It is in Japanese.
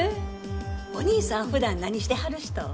お兄さん普段何してはる人？